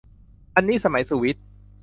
อันนี้สมัยสุวิทย์